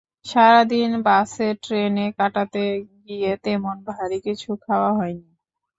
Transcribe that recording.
সারা দিন বাসে, ট্রেনে কাটাতে গিয়ে তেমন ভারী কিছু খাওয়া হয়নি।